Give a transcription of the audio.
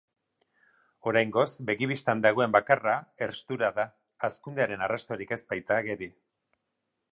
Oraingoz begibistan dagoen bakarra herstura da, hazkundearen arrastorik ez bait da ageri.